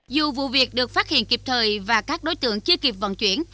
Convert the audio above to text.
dù vụ việc được phát hiện kịp thời và các đối tượng chưa kịp vận chuyển